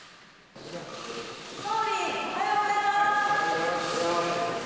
おはようございます。